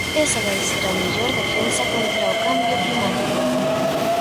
Esa vai ser a mellor defensa contra o cambio climático.